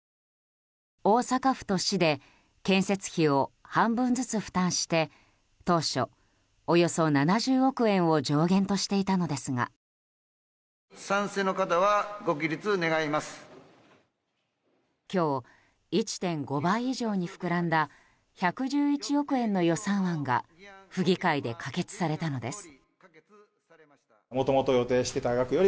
大阪府と市で建設費を半分ずつ負担して当初およそ７０億円を上限としていたのですが今日、１．５倍以上に膨らんだ１１１億円の予算案が府議会で可決されたのです。